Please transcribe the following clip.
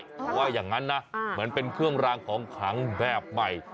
เพราะว่าอย่างนั้นนะเหมือนเป็นเครื่องรางของขังแบบใหม่